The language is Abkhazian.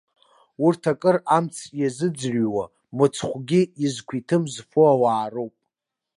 Урҭ акыр амц иазыӡырҩуа, мыцхәгьы изқәиҭым зфо ауаа роуп.